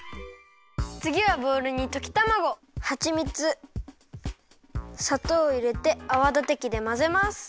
つぎはボウルにときたまごはちみつさとうをいれてあわだてきでまぜます。